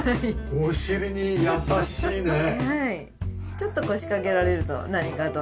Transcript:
ちょっと腰掛けられると何かと。